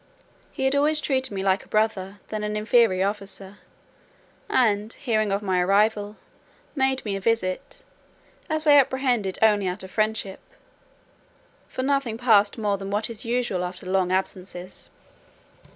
He had always treated me more like a brother, than an inferior officer; and, hearing of my arrival, made me a visit, as I apprehended only out of friendship, for nothing passed more than what is usual after long absences.